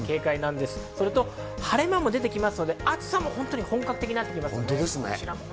また晴れ間も出てきますので、暑さも本格的になってきます。